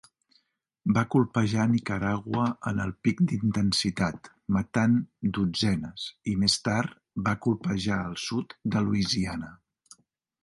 Va colpejar Nicaragua en el pic d'intensitat, matant dotzenes, i més tard va colpejar al sud de Louisiana.